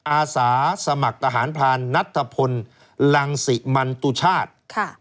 อาสาสมัครทหารพรานนัทพลลังสิมันตุชาติ